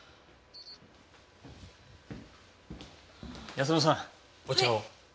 泰乃さんお茶を。